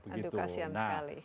aduh kasian sekali